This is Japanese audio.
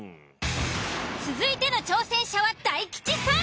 続いての挑戦者は大吉さん。